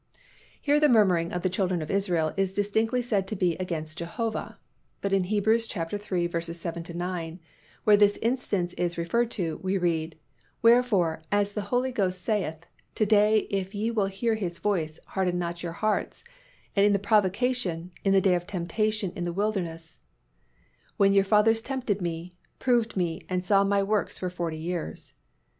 Here the murmuring of the children of Israel is distinctly said to be against Jehovah. But in Heb. iii. 7 9, where this instance is referred to, we read, "Wherefore, as the Holy Ghost saith, To day if ye will hear His voice, harden not your hearts, and in the provocation, in the day of temptation in the wilderness: When your fathers tempted Me, proved Me, and saw My works forty years."